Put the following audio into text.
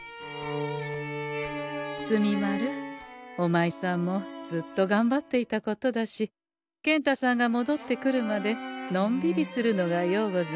墨丸お前さんもずっとがんばっていたことだし健太さんがもどってくるまでのんびりするのがようござんす。